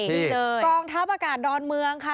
กองท่าประกาศดอนเมืองค่ะ